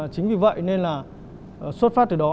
chính vì vậy nên là xuất phát từ đó